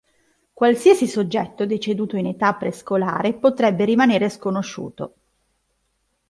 Qualsiasi soggetto deceduto in età prescolare potrebbe rimanere sconosciuto.